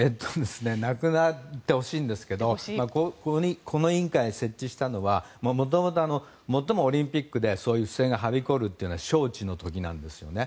なくなってほしいんですがこの委員会を設置したのはもともと、最もオリンピックでそういう不正がはびこるのは招致の時なんですね。